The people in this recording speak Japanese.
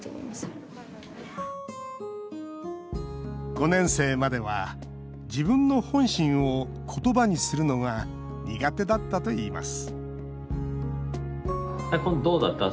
５年生までは自分の本心を言葉にするのが苦手だったといいます